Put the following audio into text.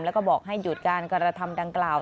แล้วก็บอกให้หยุดการกระทำดังกล่าว